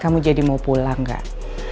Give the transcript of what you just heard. kamu jadi mau pulang gak